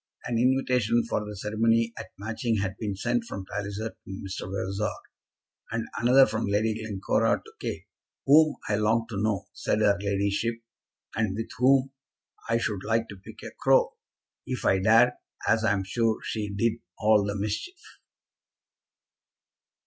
An invitation for the ceremony at Matching had been sent from Mr. Palliser to Mr. Vavasor, and another from Lady Glencora to Kate, "whom I long to know," said her ladyship, "and with whom I should like to pick a crow, if I dared, as I'm sure she did all the mischief."